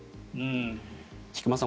菊間さん